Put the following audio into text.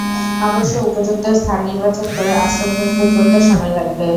অবশ্য উপযুক্ত স্থান নির্বাচন করে আশ্রম প্রস্তুত করতে সময় লাগবে।